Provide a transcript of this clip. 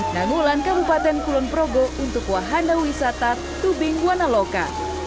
dan mulan kabupaten kulon progro untuk wahanda wisata tubing wana loka